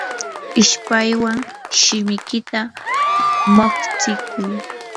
ishpaywan shimikita muqstikuy.